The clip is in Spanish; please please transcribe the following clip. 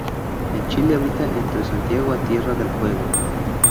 En Chile habita entre Santiago a Tierra del Fuego.